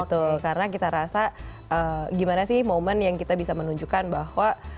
tuh karena kita rasa gimana sih momen yang kita bisa menunjukkan bahwa